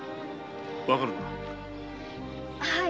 わかるな。ははい。